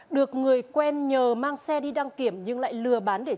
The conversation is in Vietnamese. được người quen nhờ mang xe đi đăng kiểm nhưng lại lừa bán để trả lời